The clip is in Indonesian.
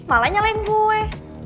malah nyalain gue